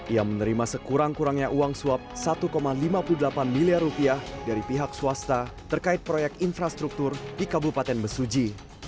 ia menerima sekurang kurangnya uang suap satu lima puluh delapan miliar rupiah dari pihak swasta terkait proyek infrastruktur di kabupaten besuci